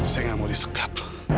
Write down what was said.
saya nggak mau disegap